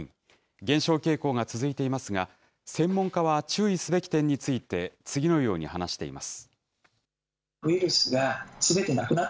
減少傾向が続いていますが、専門家は、注意すべき点について次のように話しています。